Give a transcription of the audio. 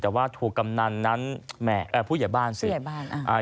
แต่ทัวกำเนินนั้นผู้เหยียบ้านสิ